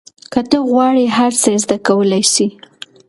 که ته وغواړې هر څه زده کولای سې.